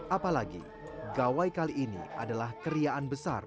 apalagi gawai kali ini adalah keriaan besar